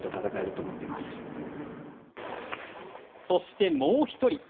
そしてもう１人。